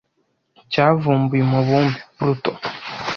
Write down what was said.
Cyavumbuye umubumbe Pluto